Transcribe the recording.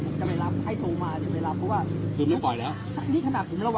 ตอนนี้กำหนังไปคุยของผู้สาวว่ามีคนละตบ